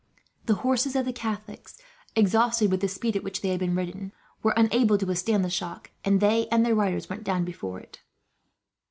The horses of the Catholics, exhausted with the speed at which they had been ridden, were unable to withstand the shock; and they and their riders went down before it.